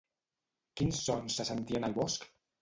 Quins sons se sentien al bosc?